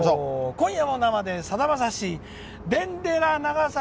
「今夜も生でさだまさしでんでら長崎」。